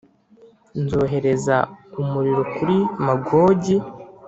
Nzohereza umuriro kuri Magogi.